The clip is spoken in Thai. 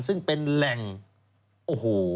ซึ่งเป็นแหล่งโอ้โห